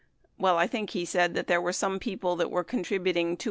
Well, I think he said that there were some people that were contributing $250,000.